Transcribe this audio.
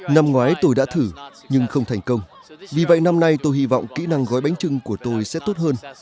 năm ngoái tôi đã thử nhưng không thành công vì vậy năm nay tôi hy vọng kỹ năng gói bánh trưng của tôi sẽ tốt hơn